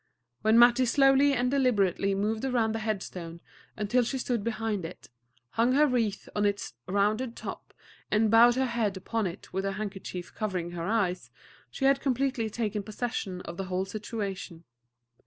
When Mattie slowly and deliberately moved around the headstone until she stood behind it, hung her wreath on its rounded top, and bowed her head upon it with her handkerchief covering her eyes, she had completely taken possession of the whole situation.